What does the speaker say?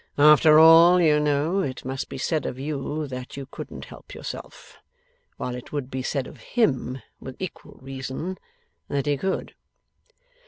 After all, you know, it must be said of you that you couldn't help yourself: while it would be said of him, with equal reason, that he could.